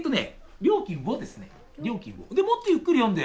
でもっとゆっくり読んで。